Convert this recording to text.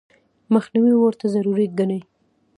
مخنیوي ورته ضروري ګڼي.